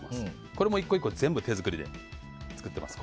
これも１個１個、全部手作りで作ってます。